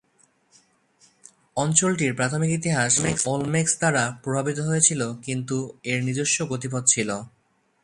অঞ্চলটির প্রাথমিক ইতিহাস ওলমেক্স দ্বারা প্রভাবিত হয়েছিল কিন্তু এর নিজস্ব গতিপথ ছিল।